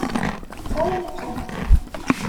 Wali kan.